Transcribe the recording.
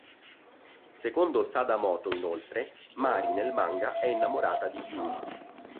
Secondo Sadamoto inoltre Mari nel manga è innamorata di Yui.